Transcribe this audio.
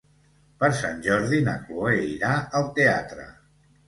Per Sant Jordi na Cloè irà al teatre.